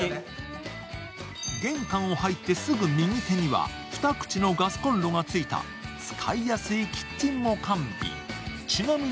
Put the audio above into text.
玄関を入ってすぐ右手には２口のガスコンロがついた使いやすいキッチンも完備。